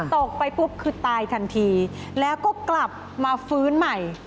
ตกไปปุ๊บคือตายทันทีแล้วก็กลับมาฟื้นใหม่